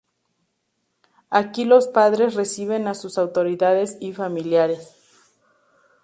Aquí los padres reciben a sus autoridades y familiares.